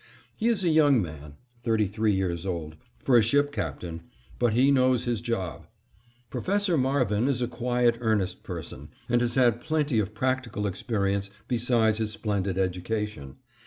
He is a young man (thirty three years old) for a ship captain, but he knows his job. Professor Marvin is a quiet, earnest person, and has had plenty of practical experience besides his splendid education.